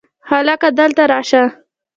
هلکه! دلته راشه!